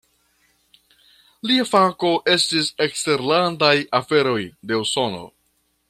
Lia fako estis eksterlandaj aferoj de Usono.